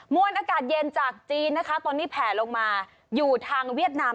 วนอากาศเย็นจากจีนนะคะตอนนี้แผ่ลงมาอยู่ทางเวียดนาม